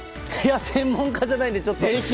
専門家じゃないのでちょっと。